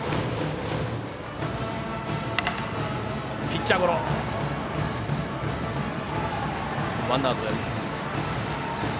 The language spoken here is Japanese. ピッチャーゴロでワンアウト。